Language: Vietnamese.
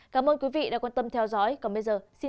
cảm ơn quý vị đã quan tâm theo dõi còn bây giờ xin chào và gặp lại